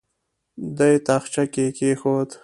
دې تاخچه کې یې کېښود.